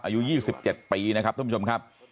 อายุ๒๗ปีนะครับท่านผู้ชมครับ